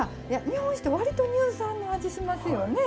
日本酒って割と乳酸の味しますよね？